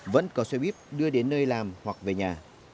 vẫn có xe buýt đưa đến nơi làm hoặc về nhà